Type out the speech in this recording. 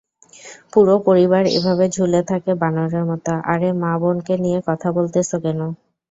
পুরো পরিবার এভাবে ঝুলে থাকে বানরের মতো--- আরে মা-বোনকে নিয়ে কথা বলতেছ কেন?